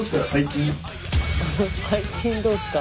「背筋どうっすか」